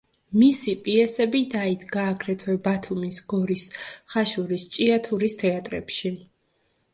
მისი პიესები დაიდგა აგრეთვე ბათუმის, გორის, ხაშურის, ჭიათურის თეატრებში.